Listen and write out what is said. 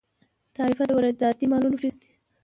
تعرفه د وارداتي مالونو فیس دی.